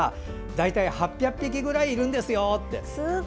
大体８００匹くらいいるんですよって。